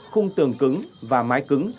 khung tường cứng và mái cứng